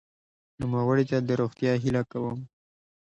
نوموړي ته د روغتیا هیله کوم.